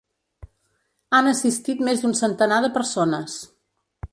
Han assistit més d’un centenar de persones.